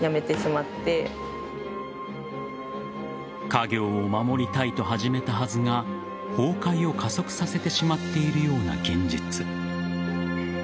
家業を守りたいと始めたはずが崩壊を加速させてしまっているような現実。